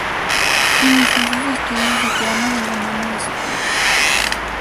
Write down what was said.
Inició sus estudios de piano de la mano de su padre.